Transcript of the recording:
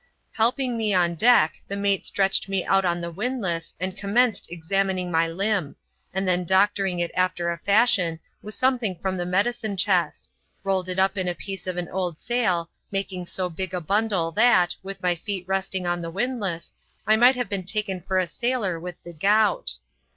Helping me on deck, the mate stretched me out on the wind lass and conmienced examining my limb ; and then doctoring it after a fashion with something from the medicine chest, rolled it up in a piece of an old sail, making so big a bundle, that with my feet resting on the windlass, I might have been taken for a ssdlor with the gout.